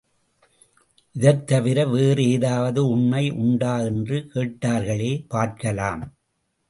இதைத் தவிர வேறு ஏதாவது உண்மை உண்டா? என்று கேட்டார்களே பார்க்கலாம்.